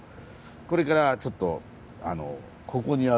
これからちょっとここにあるですね